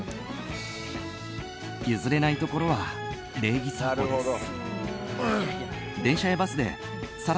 譲れないところは礼儀作法です。